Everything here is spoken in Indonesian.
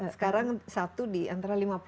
sekarang satu di antara lima puluh